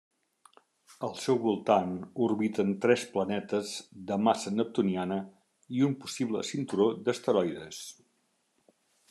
Al seu voltant orbiten tres planetes de massa neptuniana i un possible cinturó d'asteroides.